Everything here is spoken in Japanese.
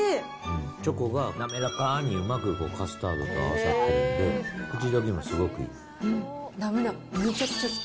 チョコが滑らかにうまくカスタードと合わさってるんで、滑らか、めちゃくちゃ好き。